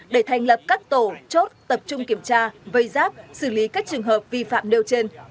để thành lập các tổ chốt tập trung kiểm tra vây giáp xử lý các trường hợp vi phạm nêu trên